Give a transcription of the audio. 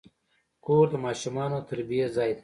کور د ماشومانو د تربیې ځای دی.